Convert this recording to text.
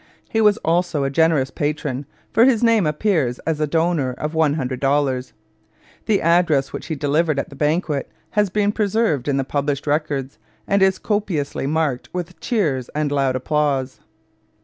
He was also a generous patron, for his name appears as a donor of $100. The address which he delivered at the banquet has been preserved in the published records and is copiously marked with cheers and loud applause.